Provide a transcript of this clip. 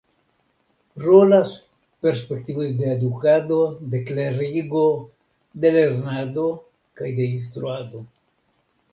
Rolas perspektivoj de edukado, de klerigo, de lernado kaj de instruado.